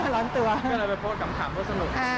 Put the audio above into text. ก็เลยไปโพสต์กำคับเพื่อสนุก